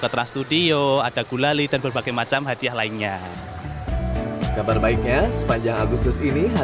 ke trans studio ada gulali dan berbagai macam hadiah lainnya kabar baiknya sepanjang agustus ini